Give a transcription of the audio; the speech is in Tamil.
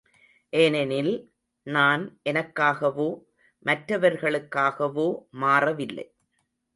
ஏனெனில், நான் எனக்காகவோ, மற்றவர்களுக்காகவோ மாறவில்லை.